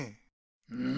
うん。